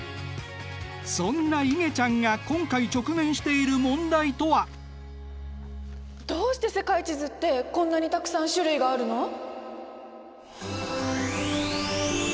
そんないげちゃんが今回直面している問題とは？どうして世界地図ってこんなにたくさん種類があるの！？